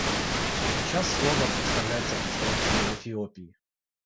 Сейчас слово предоставляется представителю Эфиопии.